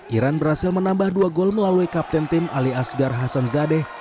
iran berhasil menambah dua gol melalui kapten tim ali asgar hasan zadeh